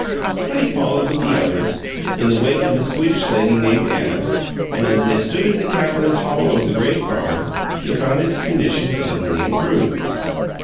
But he followed with the others, in the wake of the Swedish lady named Anna, and as they stood in the cavernous hollow of the great barn he found his condition suddenly improved.